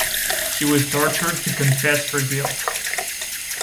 She was tortured to confess her guilt.